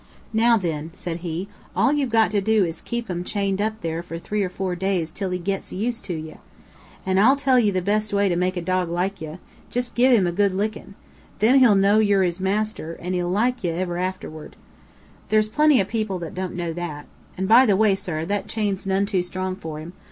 "Now thin," said he, "all you've got to do is to keep 'im chained up there for three or four days till he gets used to ye. An' I'll tell ye the best way to make a dog like ye. Jist give him a good lickin'. Then he'll know yer his master, and he'll like ye iver aftherward. There's plenty of people that don't know that. And, by the way, sir, that chain's none too strong for 'im.